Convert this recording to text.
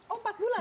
oh empat bulan